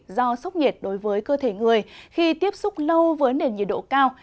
do sốc nhiệt đối với cơ thể người khi tiếp xúc lâu với nền nhiệt độ cao